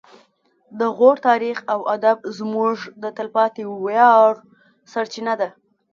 د غور تاریخ او ادب زموږ د تلپاتې ویاړ سرچینه ده